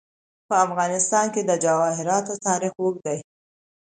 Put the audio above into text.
په افغانستان کې د جواهرات تاریخ اوږد دی.